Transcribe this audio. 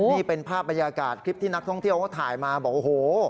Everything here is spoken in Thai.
นี่เป็นภาพบรรยากาศคลิปที่นักท่องเที่ยวเขาถ่ายมาบอกโอ้โห